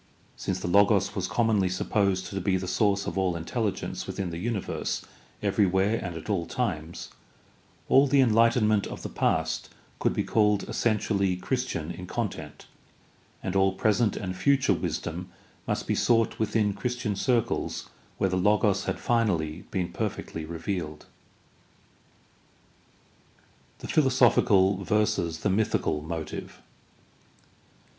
Since the Logos was commonly supposed to be the source of all intelligence within the universe everywhere and at all times, all the enhghtenment of the past could be called essentially Christian in content and all present and future wisdom must be sought within Christian circles where the Logos had finally been perfectly revealed. The philosophical versus the mythical motive.